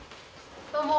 どうも。